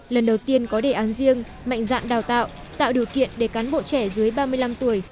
lần đầu tiên có đề án riêng mạnh dạng đào tạo tạo điều kiện để cán bộ trẻ dưới ba mươi năm tuổi